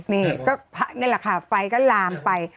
นี่ก็พระนี่แหละค่ะไฟก็ลามไป